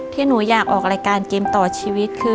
ที่หนูอยากออกรายการเกมต่อชีวิตคือ